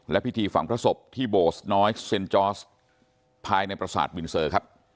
และพิธีฝังพระศพที่โบสน้อยเซ็นจอร์สภายในประสาทวินเซอร์ครับ